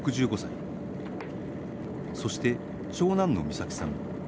６５歳そして長男の岬さん